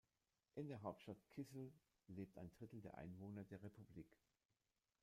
In der Hauptstadt Kysyl lebt ein Drittel der Einwohner der Republik.